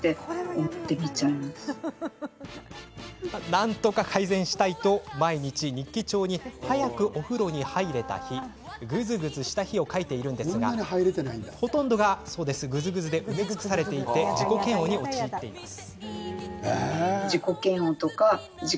なんとか改善したいと、毎日日記帳に早くお風呂に入れた日ぐずぐずした日を書いているんですがほとんどがぐずぐずで埋め尽くされて自己嫌悪に陥っています。